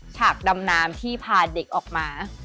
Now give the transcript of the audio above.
ฉากดำน้ำที่พาเด็กออกมา